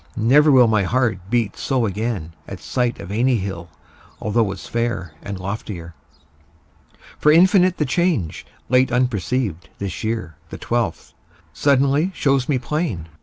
Never will My heart beat so again at sight Of any hill although as fair And loftier. For infinite The change, late unperceived, this year, The twelfth, suddenly, shows me plain.